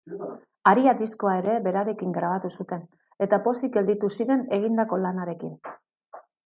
Haria diskoa ere berarekin grabatu zuten, eta pozik gelditu ziren egindako lanarekin.